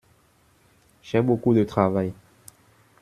J’ai beaucoup de travail.